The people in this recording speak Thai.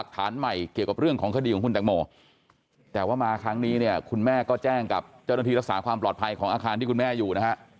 แต่ว่ามาครั้งนี้เนี่ยคุณแม่ก็แจ้งกับเจ้าหน้าที่รักษาความปลอดภัยของอาคารที่คุณแม่อยู่นะฮะ